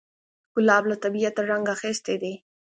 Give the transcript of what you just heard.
ګلاب له طبیعته رنګ اخیستی دی.